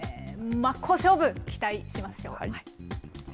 真っ向勝負、期待しましょう。